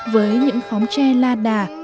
với những khóm tre la đà